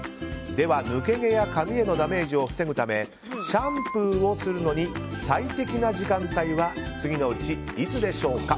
では抜け毛や髪へのダメージを防ぐためシャンプーをするのに最適な時間帯は次のうち、いつでしょうか？